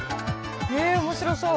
へえ面白そう。